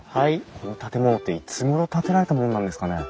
この建物っていつごろ建てられたものなんですかね？